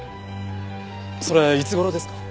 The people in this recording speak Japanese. それいつ頃ですか？